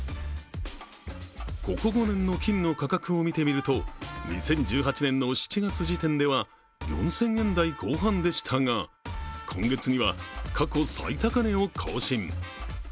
ここ５年の金の価格を見てみると２０１８年の７月時点では４０００円台後半でしたが、今月には過去最高値を更新。